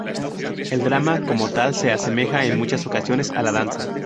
El drama como tal se asemeja en muchas ocasiones a la danza.